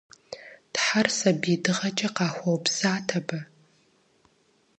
Тхьэр сабий дыгъэкӏэ къахуэупсат абы.